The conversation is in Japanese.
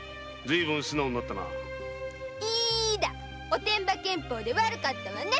おてんば剣法で悪かったわね。